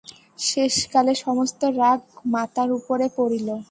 শেষকালে সমস্ত রাগ মাতার উপরে পড়িল।